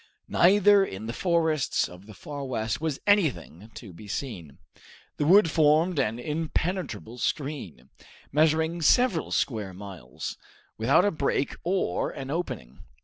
Neither in the forests of the Far West was anything to be seen. The wood formed an impenetrable screen, measuring several square miles, without a break or an opening.